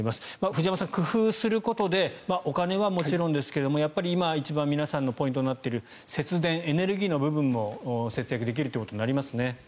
藤山さん、工夫することでお金はもちろんですがやっぱり今、一番皆さんのポイントになっている節電、エネルギーの部分も節約できるということになりますね。